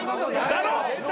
だろ？